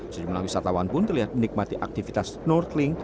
sejumlah wisatawan pun terlihat menikmati aktivitas snorkeling